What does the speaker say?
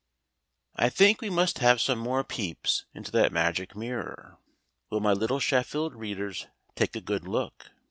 I THINK we must have some more peeps into that Magic Mirror? Will my little Sheffield readers take a good look?